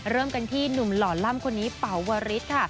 เริ่มกันที่หนุ่มหล่อล่ำคนนี้เป๋าวริสค่ะ